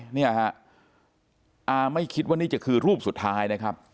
เนี่ยฮะอาไม่คิดว่านี่จะคือรูปสุดท้ายนะครับ